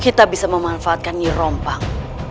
kita bisa memanfaatkan ini rompang